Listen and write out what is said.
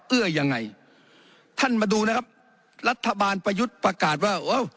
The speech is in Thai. เอื้อยังไงท่านมาดูนะครับรัฐบาลประยุทธ์ประกาศว่าเออ